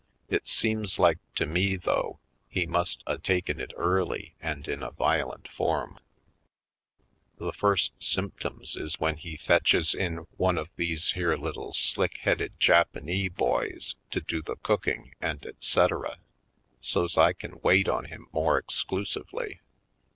It seems like to me, though, he must a taken it early and in a violent form. The first symptoms is when he fetches in 96 J. Poindexter^ Colored one of these here little slick headed Japa nee boys to do the cooking and et cetera, so's I can wait on him more exclusively.